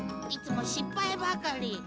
いつも失敗ばかり。